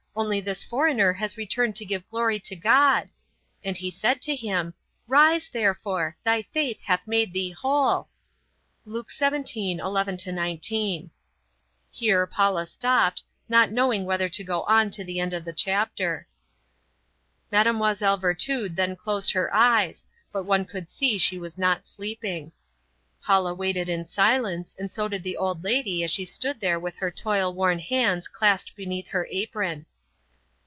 Only this foreigner has returned to give glory to God. And He said to him, Rise, therefore; thy faith hath made thee whole" (Luke 17:11 19). Here Paula stopped, not knowing whether to go on to the end of the chapter. Mlle. Virtud then dosed her eyes, but one could see she was not sleeping. Paula waited in silence, and so did the old lady as she stood there with her rough, toil worn hands clasped beneath her apron.